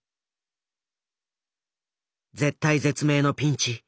絶体絶命のピンチ。